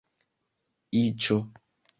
iĉo